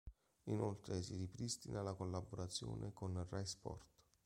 Inoltre si ripristina la collaborazione con Rai Sport.